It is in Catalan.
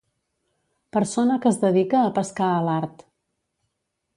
Persona que es dedica a pescar a l'art.